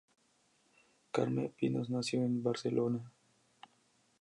Carme Pinós nació en Barcelona.